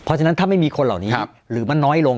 เพราะฉะนั้นถ้าไม่มีคนเหล่านี้หรือมันน้อยลง